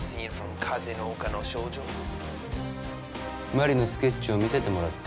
「マリのスケッチを見せてもらって」